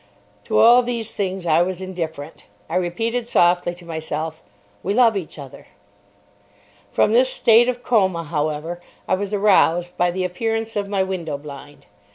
To all these things I was indifferent. I repeated softly to myself, "We love each other." From this state of coma, however, I was aroused by the appearance of my window blind.